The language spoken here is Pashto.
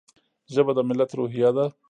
ژبه د ملت روحیه ده.